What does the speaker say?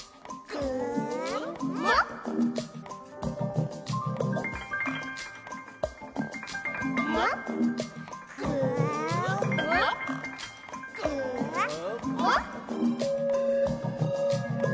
くーもっ？くーもっ？！」